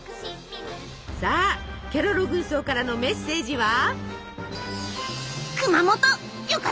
さあケロロ軍曹からのメッセージは。